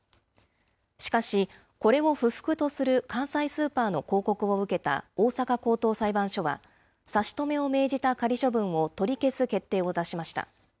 しかし、これを不服とする関西スーパーの抗告を受けた大阪高等裁判所は、差し止めを命じた仮処分を取り消す決定を出しました。